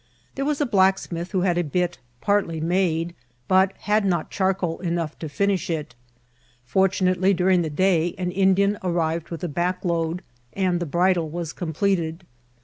There was a blacksmith who had a bit partly made, but had not charcoal enough to finish' it. Fortunately, du ring the day an Indian arrived with a baekload, and the bridle was completed.